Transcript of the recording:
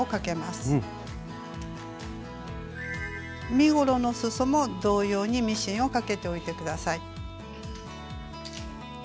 身ごろのすそも同様にミシンをかけておいて下さい。